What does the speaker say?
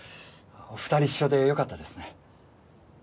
お二人一緒でよかったですね